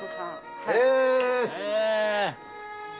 へえ。